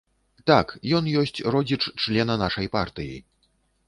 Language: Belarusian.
Так, ён ёсць родзіч члена нашай партыі.